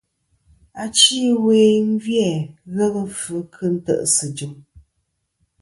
Achi ɨwe gvi-a ghelɨ fvɨ kɨ nte ̀sɨ jɨm.